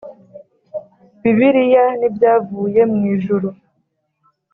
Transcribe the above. Bibiliya n ibyavuye mwijuru